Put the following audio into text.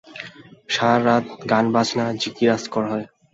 সারা রাত গান বাজনা, জিকির আসকার হয়।